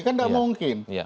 kan tidak mungkin